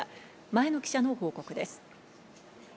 前野記者の報告です。